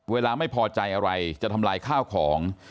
เวลาไม่พอใจอะไรจะทำลายข้าวของ